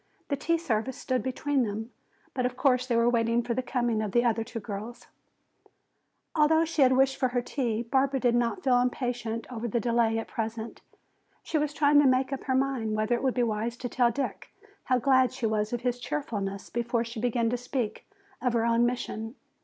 The tea service stood between them, but of course they were waiting for the coming of the other two girls. Although she had wished for her tea, Barbara did not feel impatient over the delay at present. She was trying to make up her mind whether it would be wise to tell Dick how glad she was of his cheerfulness before she began to speak of her own mission.